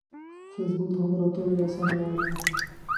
فېسبوک د خبرو اترو یوه اسانه لار ده